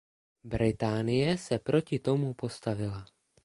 Británie se proti tomu postavila.